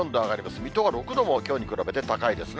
水戸は６度もきょうに比べると高いですね。